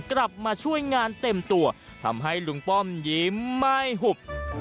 กลับมาช่วยงานเต็มตัวทำให้ลุงป้อมยิ้มไม่หุบ